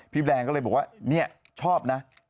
พี่แดงก็เลยบอกว่าเนี่ยชอบนะ